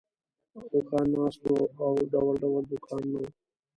اوښان ناست وو او ډول ډول دوکانونه وو.